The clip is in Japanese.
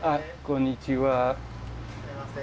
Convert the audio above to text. こんにちは。